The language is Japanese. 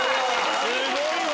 すごいわ！